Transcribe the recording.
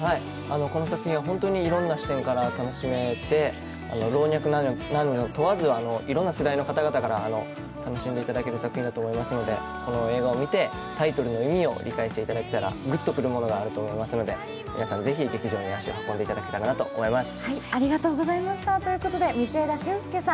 この作品は本当にいろんな視点から楽しめて老若男女問わず、いろんな世代の方から楽しんでいただける作品だと思いますのでこの映画を見て、タイトルの意味を理解していただいたらグッとくるものがあると思いますので、皆さんぜひ劇場に足を運んでいただけたらなと思います。